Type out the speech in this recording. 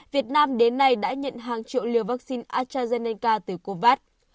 việt nam đến nay đã nhận hàng triệu liều vaccine astrazeneca từ covax